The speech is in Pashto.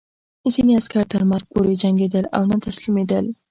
ځینې عسکر تر مرګ پورې جنګېدل او نه تسلیمېدل